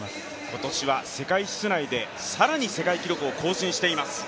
今年は世界室内で更に世界記録を更新しています。